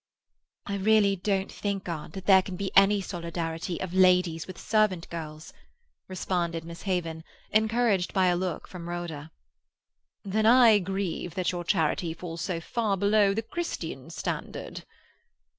"I really don't think, aunt, that there can be any solidarity of ladies with servant girls," responded Miss Haven, encouraged by a look from Rhoda. "Then I grieve that your charity falls so far below the Christian standard."